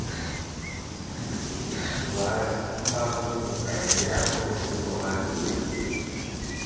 Ub ze imbaho z imiganda yabwo iz uruhande